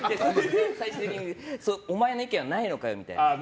最終的にお前の意見はないのかよみたいな。